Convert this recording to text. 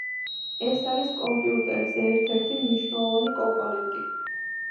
ეს არის კომპიუტერის ერთ-ერთი მნიშვნელოვანი კომპონენტი.